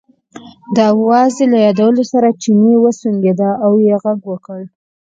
د وازدې له یادولو سره چیني وسونګېده او یې غږ وکړ.